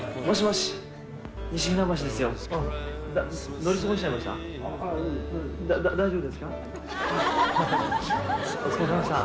乗り過ごしちゃいました？